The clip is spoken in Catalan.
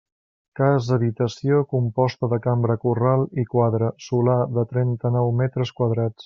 Casa habitació, composta de cambra corral i quadra, solar de trenta-nou metres quadrats.